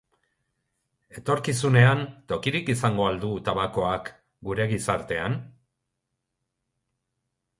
Etorkizunean tokirik izango al du tabakoak gure gizartean?